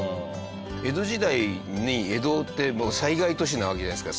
江戸時代に江戸って災害都市なわけじゃないですか。